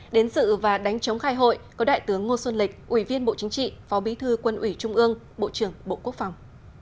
đến sự và đánh chống khai hội có đại tướng ngô xuân lịch ủy viên bộ chính trị phó bí thư quân ủy trung ương bộ trưởng bộ quốc phòng